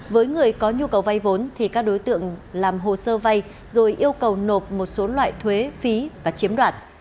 với người có nhu cầu vay vốn thì các đối tượng làm hồ sơ vay rồi yêu cầu nộp một số loại thuế phí và chiếm đoạt